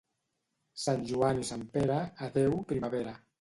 Sant Joan i Sant Pere, adeu, primavera.